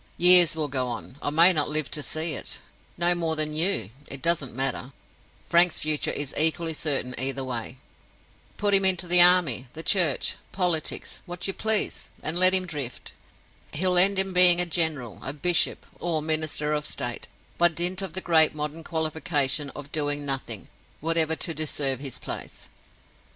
Years will go on—I may not live to see it, no more may you—it doesn't matter; Frank's future is equally certain either way—put him into the army, the Church, politics, what you please, and let him drift: he'll end in being a general, a bishop, or a minister of State, by dint of the great modern qualification of doing nothing whatever to deserve his place."